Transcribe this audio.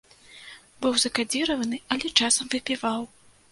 Быў закадзіраваны, але часам выпіваў.